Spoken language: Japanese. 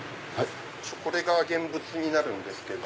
これが現物になるんですけど。